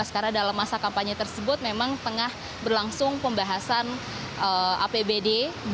karena dalam masa kampanye tersebut memang tengah berlangsung pembahasan apbd dua ribu tujuh belas